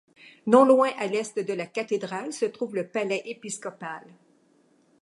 Non loin à l’est de la cathédrale se trouve le palais épiscopal.